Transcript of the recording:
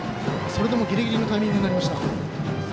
それでもギリギリのタイミングになりました。